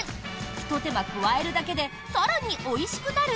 ひと手間加えるだけで更においしくなる？